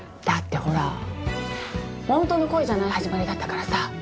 だってほら本当の恋じゃない始まりだったからさ